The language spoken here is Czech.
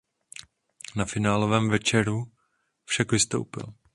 Na finálovém večeru však vystoupil.